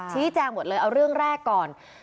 ชี้แจงหมดเลยเอาเรื่องแรกก่อน